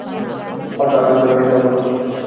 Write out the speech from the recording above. হয়তো আগে হতো না, কিন্তু এখন, রিফ?